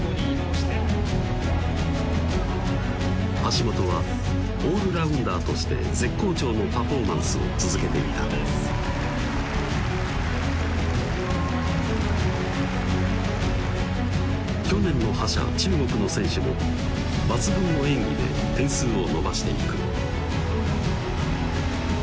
橋本はオールラウンダーとして絶好調のパフォーマンスを続けていた去年の覇者・中国の選手も抜群の演技で点数を伸ばしていく５